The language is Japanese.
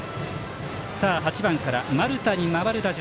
８番から、丸田に回る打順。